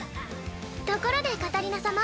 ところでカタリナ様